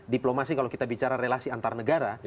diplomasi kalau kita bicara relasi antar negara